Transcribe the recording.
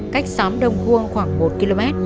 cách xóm đông khuông khoảng một km